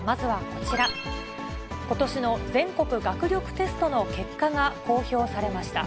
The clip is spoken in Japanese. ことしの全国学力テストの結果が公表されました。